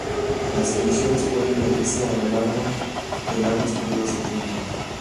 Las emisiones pueden medirse a lo largo de largos períodos de tiempo.